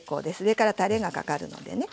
上からたれがかかるのでね。